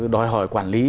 đòi hỏi quản lý